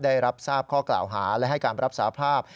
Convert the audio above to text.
ได้รับทราบข้อกล่าวหาและให้การรับสาภาพ